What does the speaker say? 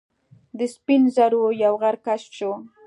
د سپین زرو یو غر کشف شو.